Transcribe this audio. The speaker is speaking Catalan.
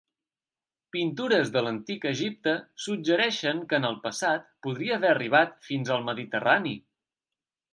Pintures de l'Antic Egipte suggereixen que en el passat podria haver arribat fins al Mediterrani.